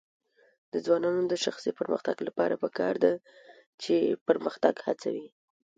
د ځوانانو د شخصي پرمختګ لپاره پکار ده چې پرمختګ هڅوي.